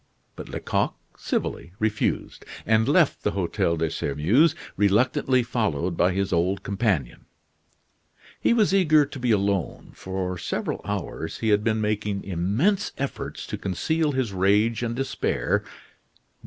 But Lecoq civilly refused, and left the Hotel de Sairmeuse, reluctantly followed by his old companion. He was eager to be alone. For several hours he had been making immense efforts to conceal his rage and despair.